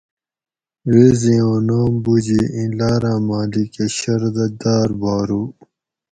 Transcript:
غیزیاں نام بوُجی ایں لاراں ماۤلیکۤہ شردہ داۤر بارو